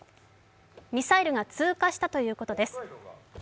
ミサイルが通過したということです。